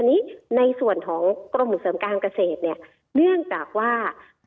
อันนี้ในส่วนของกรมส่งเสริมการเกษตรเนี่ยเนื่องจากว่า